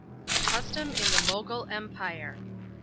CUSTOM IN THE MOGUL EMPIRE.